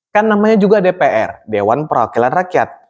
kan namanya juga dpr dewan perwakilan rakyat